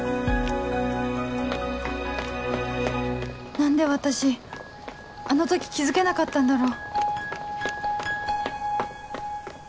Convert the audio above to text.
何で私あの時気付けなかったんだろう